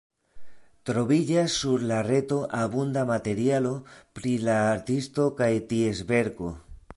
Troviĝas sur la reto abunda materialo pri la artisto kaj ties verko.